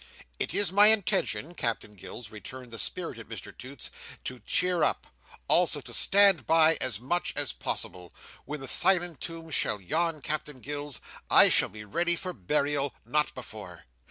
"It is my intention, Captain Gills," returned the spirited Mr Toots, "to cheer up. Also to standby, as much as possible. When the silent tomb shall yawn, Captain Gills, I shall be ready for burial; not before.